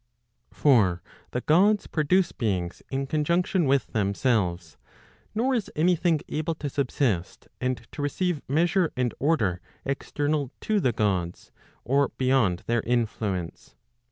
For the Gods produce beings in conjunction with themselves, nor is any thing able to subsist, and to receive measure and order external to the Gods, [or beyond their influence.